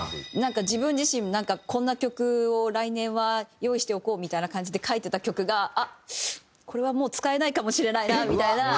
自分自身もなんかこんな曲を来年は用意しておこうみたいな感じで書いてた曲があっこれはもう使えないかもしれないなみたいな。